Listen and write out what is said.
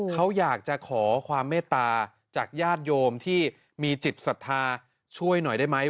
เขาอยากจะขอความเมตตาจากญาติโยมที่มีจิตศรัทธาช่วยหน่อยได้ไหม